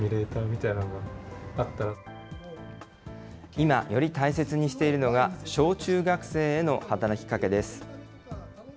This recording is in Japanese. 今、より大切にしているのが、小中学生への働きかけです。